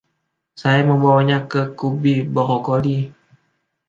Saya membawanya ke Cubby Broccoli.